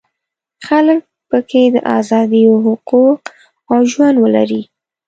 خلک په کې د ازادیو حقوق او ژوند ولري.